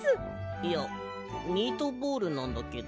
いやミートボールなんだけど。